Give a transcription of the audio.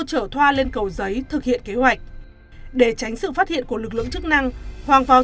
chở thoa lên cầu giấy thực hiện kế hoạch để tránh sự phát hiện của lực lượng chức năng hoàng pháo